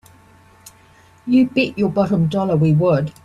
You bet your bottom dollar we would!